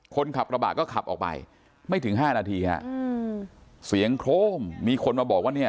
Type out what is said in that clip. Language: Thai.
คนขับกระบะก็ขับออกไปไม่ถึง๕นาทีมีคนมาบอกว่า